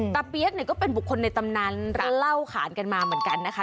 เปี๊ยกเนี่ยก็เป็นบุคคลในตำนานร้านเล่าขานกันมาเหมือนกันนะคะ